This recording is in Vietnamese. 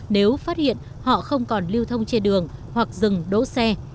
nếu phát hiện họ không còn lưu thông trên đường hoặc dừng đỗ xe